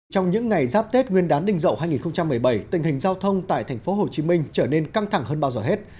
trong những ngày giáp tết nguyên đán đình dậu hai nghìn một mươi bảy tình hình giao thông tại thành phố hồ chí minh trở nên căng thẳng hơn bao giờ hết